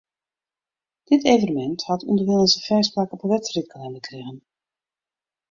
Dit evenemint hat ûnderwilens in fêst plak op 'e wedstriidkalinder krigen.